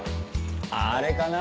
あれかな？